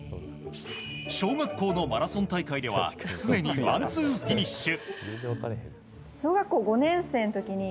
小学校のマラソン大会では常にワンツーフィニッシュ。